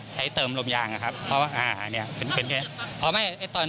ใช้เติมลมยางอะครับเพราะว่าอ่านี่เป็น